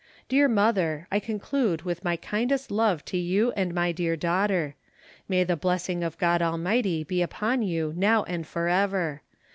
Dear mother, I conclude with my kindest love to you and my dear daughter. May the blessing of God Almighty be upon you now and for ever.